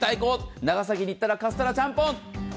長崎に行ったらカステラ、ちゃんぽん。